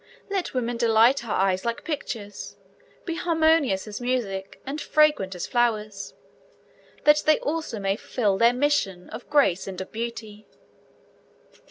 Let women delight our eyes like pictures, be harmonious as music, and fragrant as flowers, that they also may fulfil their mission of grace and of beauty.